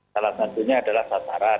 salah satunya adalah sasaran